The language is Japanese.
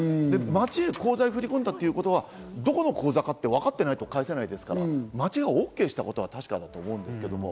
町に振り込んだということは、どこの口座か分かっていないと返せないですから、町がＯＫしたことは確かだと思います。